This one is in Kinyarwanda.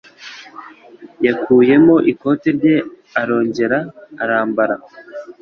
Yakuyemo ikote rye arongera arambara.